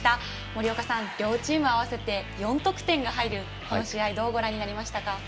森岡さん、両チーム合わせて４得点が入る試合、どうご覧になりましたか。